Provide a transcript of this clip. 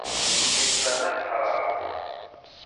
Ini-as la nehhṛeɣ.